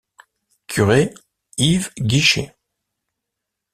Curé: Yves Guichet.